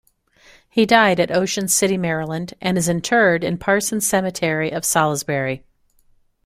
He died at Ocean City, Maryland, and is interred in Parsons Cemetery of Salisbury.